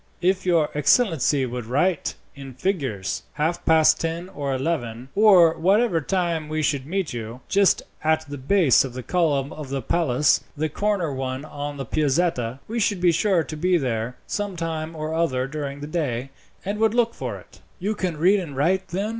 "If your excellency would write in figures, half past ten or eleven, or whatever time we should meet you, just at the base of the column of the palace the corner one on the Piazzetta we should be sure to be there sometime or other during the day, and would look for it." "You can read and write, then?"